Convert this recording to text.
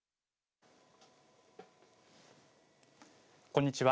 こんにちは。